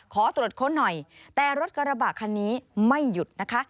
ขอตรวจค้นหน่อยแต่รถกระบะคันนี้ไม่หยุดนะคะ